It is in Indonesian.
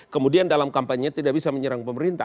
kemudian dalam kampanye tidak bisa menyerang pemerintah